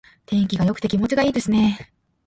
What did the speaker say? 天気が良くて気持ちがいいですね。